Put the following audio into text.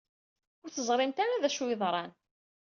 Ur teẓrimt ara d acu ay yeḍran.